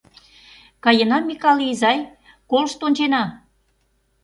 Каена, Микале изай, колышт ончена.